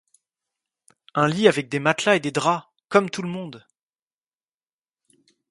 Un lit avec des matelas et des draps ! comme tout le monde !